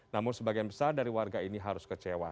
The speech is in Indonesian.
namun sebagian besar dari warga ini harus kecewa